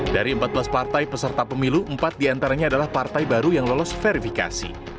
dari empat belas partai peserta pemilu empat diantaranya adalah partai baru yang lolos verifikasi